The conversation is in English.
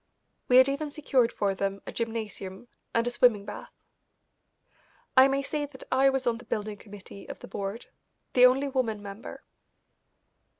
We had even secured for them a gymnasium and a swimming bath. I may say that I was on the building committee of the board, the only woman member.